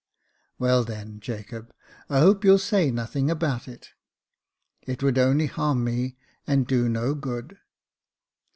"Well, then, Jacob, I hope you'll say nothing about it. It would only harm me, and do no good."